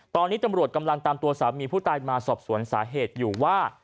ตอนนี้ตำรวจกำลังตามตัวสามีผู้ตายมาสอบสวนสาเหตุอยู่ว่า